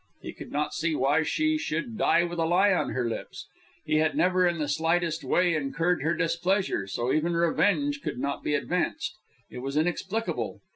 He could not see why she should die with a lie on her lips. He had never in the slightest way incurred her displeasure, so even revenge could not be advanced. It was inexplicable.